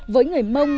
với người mông